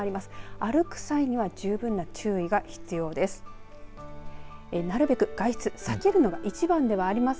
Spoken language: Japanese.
歩く際には十分な注意が必要です。